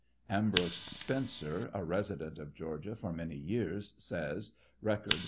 Ambrose Spencer, a resident of Georgia for many years, says, (Record, p.